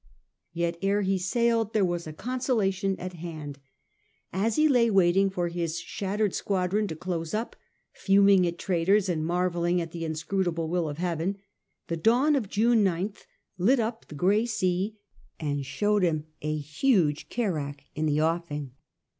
Yet ere he sailed there was a consolation at hand. As he lay waiting for his shattered squadron to close up, fuming at traitors, and marvelling at the inscrutable will of Heaven, the dawn of June 9th lit up the gray sea and showed him a huge carack in the offing.